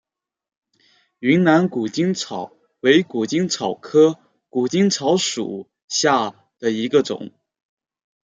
云南谷精草为谷精草科谷精草属下的一个种。